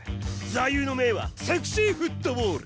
座右の銘は「セクシーフットボール」！